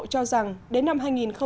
cho rằng đến năm hai nghìn ba mươi